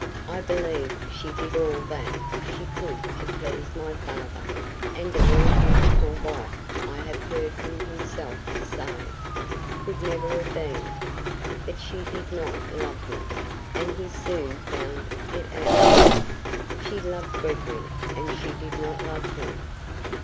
I believe she did all that she could to please my father; and a more dutiful wife, I have heard him himself say, could never have been. But she did not love him, and he soon found it out. She loved Gregory, and she did not love him.